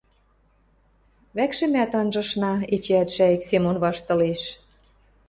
— Вӓкшӹмӓт анжышна, — эчеӓт Шӓйӹк Семон ваштылеш.